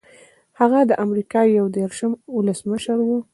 هغه د امریکا یو دېرشم ولسمشر و.